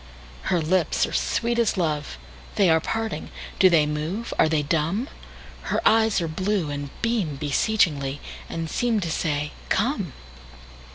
Her lips are sweet as love; They are parting! Do they move? Are they dumb? Her eyes are blue, and beamBeseechingly, and seemTo say, "Come!"